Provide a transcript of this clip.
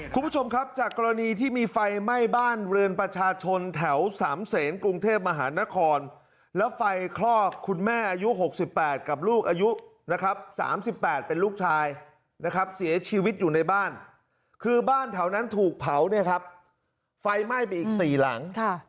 คุณผู้ชมครับจากกรณีที่มีไฟไหม้บ้านเรือนประชาชนแถวสามเศษกรุงเทพมหานครแล้วไฟคลอกคุณแม่อายุ๖๘กับลูกอายุนะครับ๓๘เป็นลูกชายนะครับเสียชีวิตอยู่ในบ้านคือบ้านแถวนั้นถูกเผาเนี่ยครับไฟไหม้ไปอีก๔หลัง